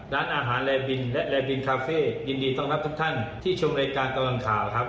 ร้านอาหารแรมบินและแรมบินคาเฟ่ยินดีต้อนรับทุกท่านที่ชมรายการตลอดข่าวครับ